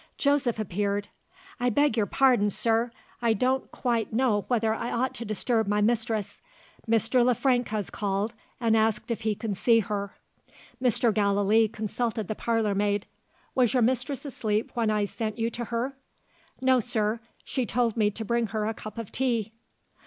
Joseph appeared. "I beg your pardon, sir, I don't quite know whether I ought to disturb my mistress. Mr. Le Frank has called, and asked if he can see her." Mr. Gallilee consulted the parlour maid. "Was your mistress asleep when I sent you to her?" "No, sir. She told me to bring her a cup of tea."